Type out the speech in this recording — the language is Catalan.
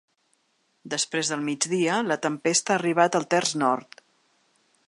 Després del migdia, la tempesta ha arribat al terç nord.